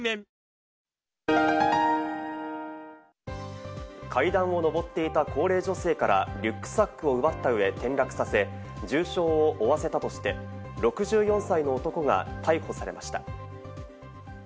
わぁ階段を上っていた高齢女性からリュックサックを奪った上、転落させ、重傷を負わせたとして６４歳の男が逮捕されました。